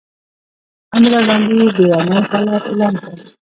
اندرا ګاندي بیړنی حالت اعلان کړ.